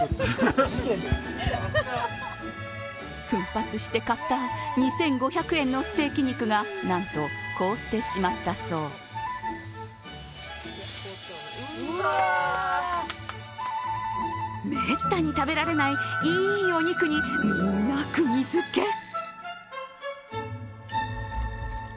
奮発して買った２５００円のステーキ肉が、なんと凍ってしまったそうめったに食べられないいいお肉にみんな、くぎづけ。